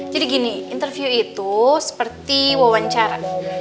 jadi gini interview itu seperti wawancara